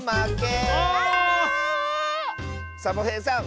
サボへいさん